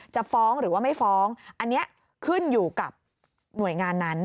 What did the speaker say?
จะฟ้องหรือว่าไม่ฟ้องอันนี้ขึ้นอยู่กับหน่วยงานนั้น